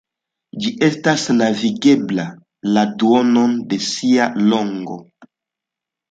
Ĝi estas navigebla la duonon de sia longo.